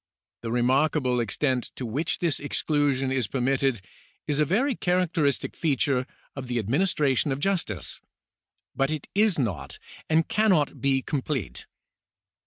The remarkable extent to which this exclusion is permitted is a very charac teristic feature of the administration of justice ; but it is not and cannot be complete.